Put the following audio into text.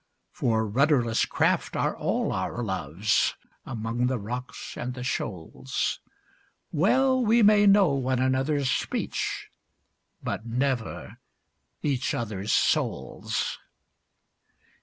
For rudderless craft are all our loves, among the rocks and the shoals, Well we may know one another's speech, but never each other's souls.